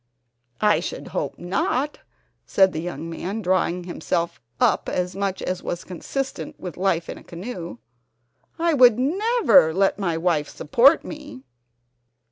"I should hope not," said the young man, drawing himself up as much as was consistent with life in a canoe. "I would never let my wife support me."